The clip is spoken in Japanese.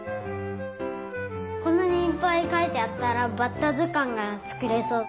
こんなにいっぱいかいてあったらバッタずかんがつくれそう。